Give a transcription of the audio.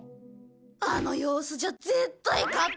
あの様子じゃ絶対買ってもらえない。